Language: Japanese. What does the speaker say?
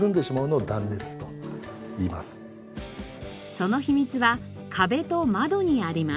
その秘密は壁と窓にあります。